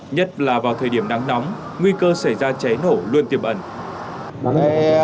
nhất là vào thời điểm nắng nóng nguy cơ xảy ra cháy nổ luôn tiềm ẩn